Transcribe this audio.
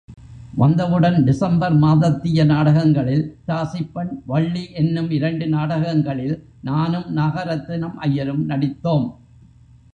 வந்தவுடன் டிசம்பர் மாதத்திய நாடகங்களில், தாசிப் பெண், வள்ளி என்னும் இரண்டு நாடகங்களில், நானும் நாகரத்தினம் ஐயரும் நடித்தோம்.